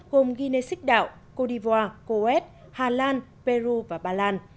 gồm guinnessích đạo cô đi vòa coet hà lan peru và bà lan